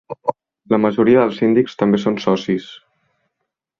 La majoria dels síndics també són socis.